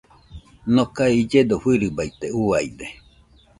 Nokae illedo fɨirɨbaite, uiade